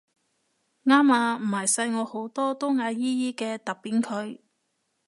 啱啊唔係細我好多都嗌姨姨嘅揼扁佢